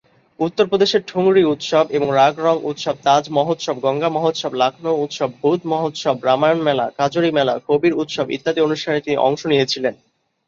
উত্তর প্রদেশের ঠুংরী-উৎসব এবং রাগ-রঙ-উৎসব, তাজ-মহোৎসব, গঙ্গা-মহোৎসব, লখনউ-উৎসব, বুধ-মহোৎসব, রামায়ণ-মেলা, কাজরী-মেলা, কবীর-উৎসব ইত্যাদি অনুষ্ঠানে তিনি অংশ নিয়েছেন।